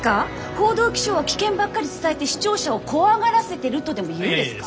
報道気象は危険ばっかり伝えて視聴者を怖がらせてるとでも言うんですか？